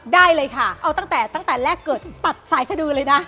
ได้เลยค่ะเอาตั้งแต่แรกเกิดตัดสายสดูเลยนะ